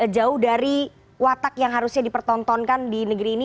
jauh dari watak yang harusnya dipertontonkan di negeri ini